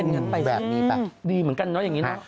เออแบบนี้แหละดีเหมือนกันเนอะอย่างนี้เนอะ